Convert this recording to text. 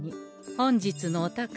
本日のお宝